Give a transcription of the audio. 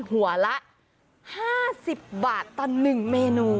หัวละ๕๐บาทต่อ๑เมนู